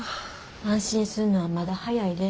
安心すんのはまだ早いで。